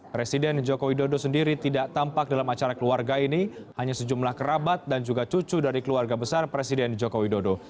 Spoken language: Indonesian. presiden joko widodo sendiri tidak tampak dalam acara keluarga ini hanya sejumlah kerabat dan juga cucu dari keluarga besar presiden joko widodo